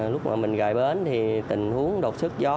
lúc mà mình rời bến thì tình huống đột xuất gió